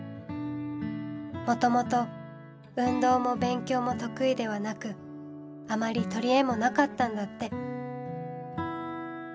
もともと運動も勉強も得意ではなくあまり取り柄もなかったんだって。